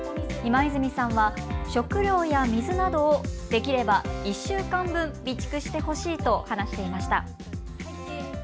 今泉さんは食糧や水などをできれば１週間分備蓄してほしいと話していました。